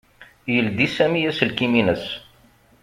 Yeldi Sami aselkim-ines.